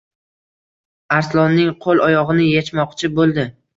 Arslonning qo‘l-oyog‘ini yechmoqchi bo‘ldi.